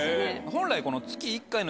本来。